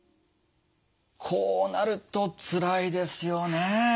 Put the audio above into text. こうなるとつらいですよね。